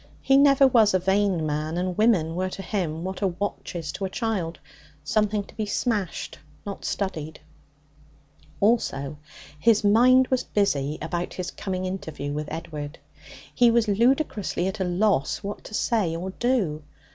He never was a vain man, and women were to him what a watch is to a child something to be smashed, not studied. Also, his mind was busy about his coming interview with Edward. He was ludicrously at a loss what to say or do.